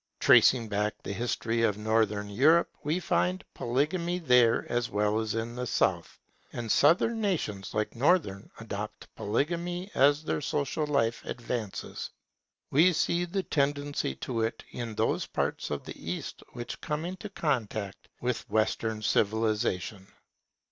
Tracing back the history of Northern Europe, we find polygamy there as well as in the South; and Southern nations, like Northern, adopt polygamy as their social life advances. We see the tendency to it in those parts of the East which come into contact with Western civilization.